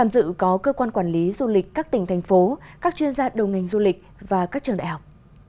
dự có cơ quan quản lý du lịch các tỉnh thành phố các chuyên gia đầu ngành du lịch và các trường đại học